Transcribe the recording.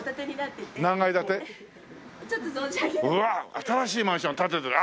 新しいマンション建ててる。